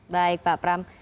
baik pak pram